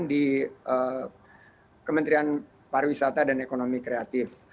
di kementerian pariwisata dan ekonomi kreatif